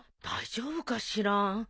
大丈夫かしら。